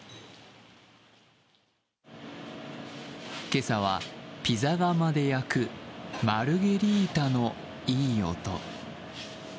今朝はピザ窯で焼くマルゲリータのいい音。